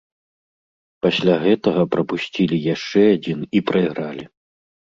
Пасля гэтага прапусцілі яшчэ адзін і прайгралі.